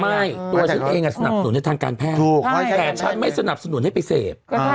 ตัวฉันเองสนับสนุนในทางการแพทย์แต่ฉันไม่สนับสนุนให้ไปเสพ